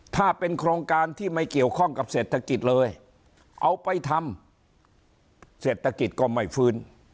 ถ้าเป็นโครงการที่ไม่เกี่ยวข้องกับเศรษฐกิจเลยเอาไปทำเศรษฐกิจก็ไม่ฟื้น